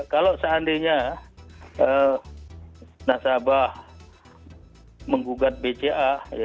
kalau seandainya nasabah menggugat bca